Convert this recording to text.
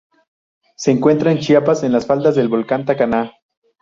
Se encuentra en Chiapas en las faldas del volcán Tacaná.